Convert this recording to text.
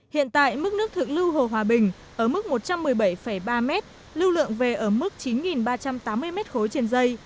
hiện tại mức nước thực lưu hồ hòa bình ở mức một trăm một mươi bảy ba mét lưu lượng về ở mức chín ba trăm tám mươi mét khối trên dây